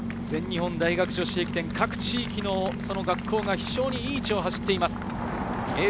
全日本大学女子駅伝、各地域のその学校が非常に良い位置を走っています。